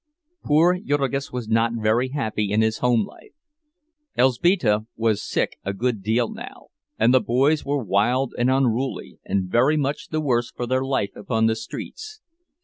Poor Jurgis was not very happy in his home life. Elzbieta was sick a good deal now, and the boys were wild and unruly, and very much the worse for their life upon the streets.